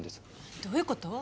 どういうこと？